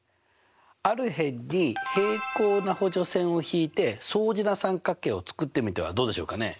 ある辺に平行な補助線を引いて相似な三角形を作ってみてはどうでしょうかね。